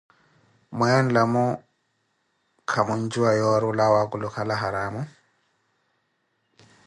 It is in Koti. mweyo nlamu ka mwinjuwa yoori olawa wa akulukala haramuh?